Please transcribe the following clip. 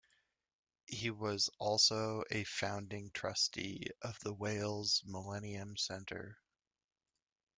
He was also a founding Trustee of the Wales Millennium Centre.